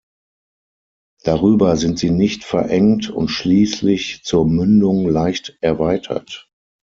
Darüber sind sie nicht verengt und schließlich zur Mündung leicht erweitert.